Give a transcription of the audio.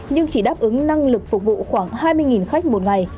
nhưng chỉ đáp ứng năng lực phục vụ khoảng hai mươi khách một ngày